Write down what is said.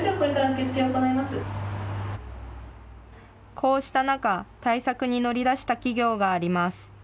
こうした中、対策に乗り出した企業があります。